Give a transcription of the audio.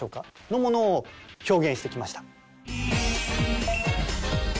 のものを表現してきました。